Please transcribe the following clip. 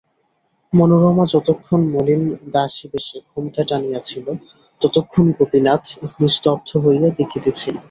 মনোরমা যতক্ষণ মলিন দাসীবেশে ঘোমটা টানিয়া ছিল ততক্ষণ গোপীনাথ নিস্তব্ধ হইয়া দেখিতেছিল।